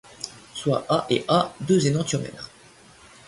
Soient A et A deux énantiomères.